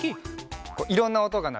いろんなおとがなる。